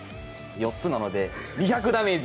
４つなので２００ダメージ！